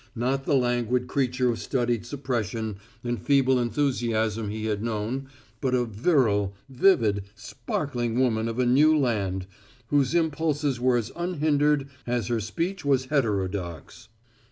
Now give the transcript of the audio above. Not the languid creature of studied suppression and feeble enthusiasm he had known, but a virile, vivid, sparkling woman of a new land, whose impulses were as unhindered as her speech was heterodox.